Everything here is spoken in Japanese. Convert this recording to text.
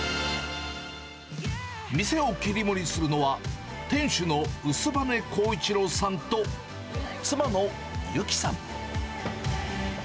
店を切り盛りするのは、店主の薄羽こういちろうさんと妻の友紀さん。